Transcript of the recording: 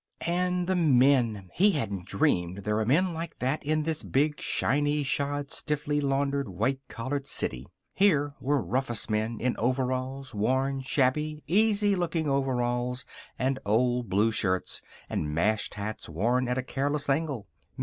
And the men! He hadn't dreamed there were men like that in this big, shiny shod, stiffly laundered, white collared city. Here were rufous men in overalls worn, shabby, easy looking overalls and old blue shirts, and mashed hats worn at a careless angle.